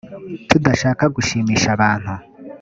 tudashaka gushimisha abantu